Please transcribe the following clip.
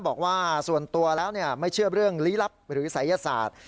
บอกว่าส่วนตัวแล้วไม่เชื่อเรื่องลี้ลับหรือศัยศาสตร์